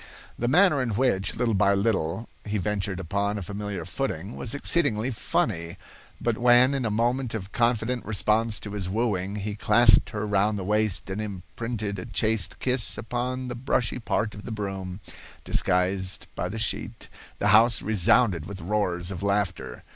The manner in which, little by little, he ventured upon a familiar footing, was exceedingly funny; but when, in a moment of confident response to his wooing, he clasped her round the waist and imprinted a chaste kiss upon the brushy part of the broom, disguised by the sheet, the house resounded with roars of laughter.